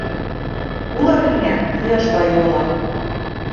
Булыр һиңә ҡояш байыуы ла.